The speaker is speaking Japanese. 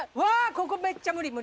ここめっちゃ無理無理。